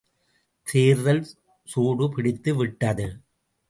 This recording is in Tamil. தேர்தல் குடு பிடித்து விட்டது!